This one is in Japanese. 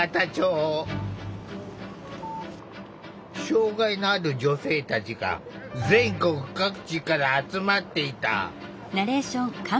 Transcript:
障害のある女性たちが全国各地から集まっていた。